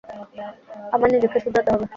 আমায় নিজেকে শুধরাতে হবে।